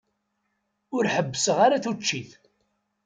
Ur ḥebbseɣ ara tuččit.